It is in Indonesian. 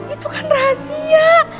itu kan rahasia